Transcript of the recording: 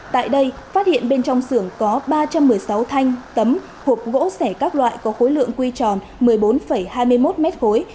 tại đây phát hiện bên trong xưởng có ba trăm một mươi sáu thanh tấm hộp gỗ sẻ các loại có khối lượng quy tròn một mươi bốn hai mươi một mét khối